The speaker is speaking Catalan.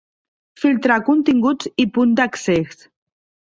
Filtrar continguts i punts d'accés.